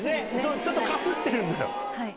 ちょっとかすってるんだよ。